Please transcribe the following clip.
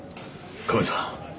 カメさん